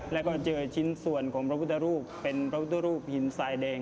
แล้วก็เจอชิ้นส่วนของพระพุทธรูปเป็นพระพุทธรูปหินทรายแดง